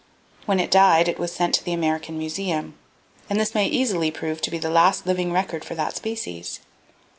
When it died it was sent to the American Museum; and this may easily prove to be the last living record for that species.